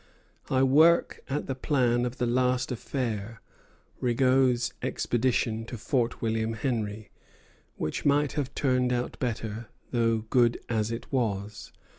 I worked at the plan of the last affair [Rigaud's expedition to Fort William Henry], which might have turned out better, though good as it was.